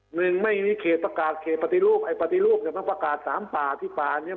หนึ่งไม่มีเขตประกาศเขตปฏิรูปไอ้ปฏิรูปเนี่ยมันประกาศสามป่าที่ป่าเนี่ย